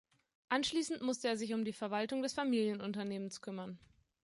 Anschließend musste er sich um die Verwaltung des Familienunternehmens kümmern.